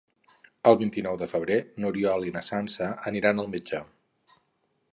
El vint-i-nou de febrer n'Oriol i na Sança aniran al metge.